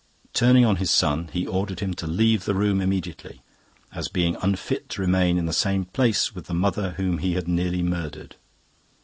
Turning on his son, he ordered him to leave the room immediately, as being unfit to remain in the same place with the mother whom he had nearly murdered.